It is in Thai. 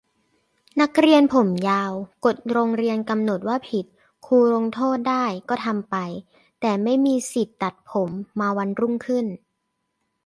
นักเรียนผมยาว กฎโรงเรียนกำหนดว่าผิด ครูลงโทษได้ ก็ทำไป แต่ไม่มีสิทธิตัดผม มาวันรุ่งขึ้น